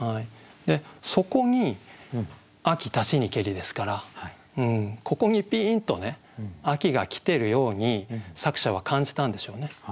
そこに「秋立ちにけり」ですからここにピーンと秋が来てるように作者は感じたんでしょうね。